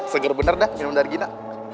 seger bener dah minum dari gina